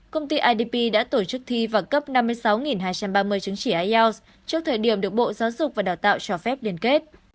công ty idp đã tổ chức thi và cấp năm mươi sáu hai trăm ba mươi chứng chỉ ielts trước thời điểm được bộ giáo dục và đào tạo cho phép liên kết